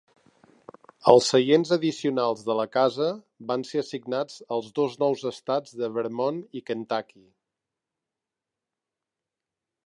Els seients addicionals de la casa van ser assignats als dos nous estats de Vermont i Kentucky.